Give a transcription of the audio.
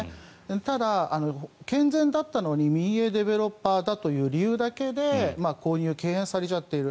ただ、健全だったのに民営ディベロッパーという理由だけで敬遠されちゃっている。